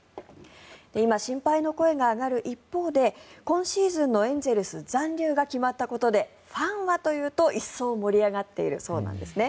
今、心配の声が上がる一方で今シーズンのエンゼルス残留が決まったことでファンはというと一層盛り上がっているそうです。